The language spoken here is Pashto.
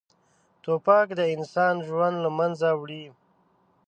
توپک د انسان ژوند له منځه وړي.